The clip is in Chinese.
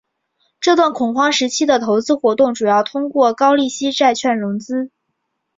这段恐慌时期的投资活动主要通过高利息债券融资。